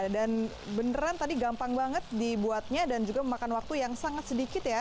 dan beneran tadi gampang banget dibuatnya dan juga memakan waktu yang sangat sedikit ya